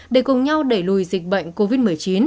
để cùng nhau đẩy lùi dịch bệnh covid một mươi chín